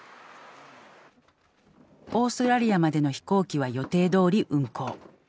オーストラリアまでの飛行機は予定どおり運航。